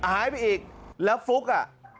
หายไปอีกแล้วฟลุ๊กอ่ะ